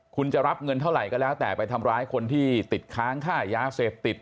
คุณจะรับเงินเท่าไหร่ก็แล้วแต่ไปทำร้ายคนที่ติดค้างค่ายาเสพติด